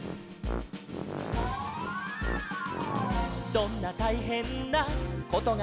「どんなたいへんなことがおきたって」